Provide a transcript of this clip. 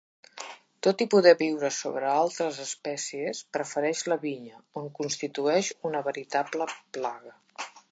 Tot i poder viure sobre altres espècies, prefereix la vinya, on constitueix una veritable plaga.